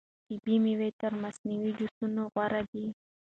طبیعي مېوې تر مصنوعي جوسونو غوره دي.